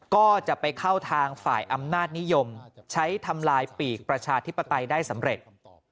ก็จะไปเข้าทางฝ่ายอำนาจนิยมใช้ทำลายปีกประชาธิปไตยได้สำเร็จ